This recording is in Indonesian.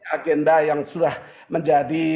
agenda yang sudah menjadi